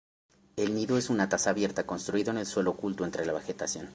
El nido es una taza abierta construido en el suelo oculto entre la vegetación.